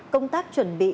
công tác chuẩn bị